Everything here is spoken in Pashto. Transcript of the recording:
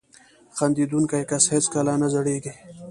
• خندېدونکی کس هیڅکله نه زړېږي.